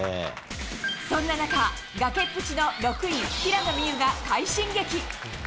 そんな中、崖っぷちの６位平野美宇が快進撃。